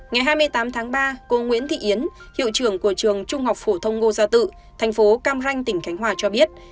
ngày hai mươi tám tháng ba cô nguyễn thị yến hiệu trưởng của trường trung học phổ thông ngô gia tự thành phố cam ranh tỉnh khánh hòa cho biết